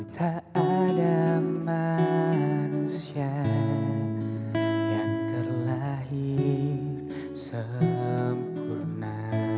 tak ada manusia yang terlahir sempurna